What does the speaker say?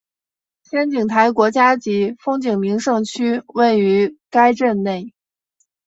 仙景台国家级风景名胜区位于该镇内。